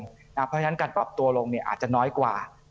เพราะฉะนั้นการปรับตัวลงอาจจะน้อยกว่า